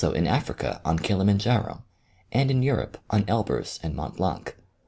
in Africa on Kiliman jaro, and in Kurope on Hlburz and Mont Blanc.